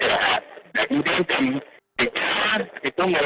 nah kemudian jam tiga itu mulai agak agak kurang nyaman